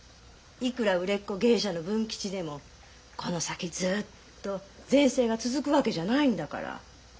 いくら売れっ子芸者の文吉でもこの先ずっと全盛が続くわけじゃないんだから。